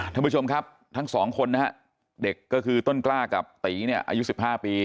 ท่านผู้ชมครับทั้งสองคนนะฮะเด็กก็คือต้นกล้ากับตีเนี่ยอายุ๑๕ปี